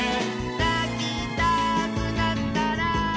「なきたくなったら」